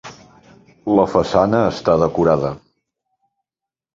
La façana està decorada.